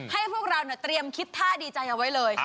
ให้พวกเราเตรียมคิดท่าดีใจเอาไว้เลย